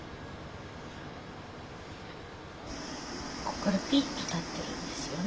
こっからピッと立ってるんですよね。